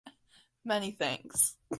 Many thanks.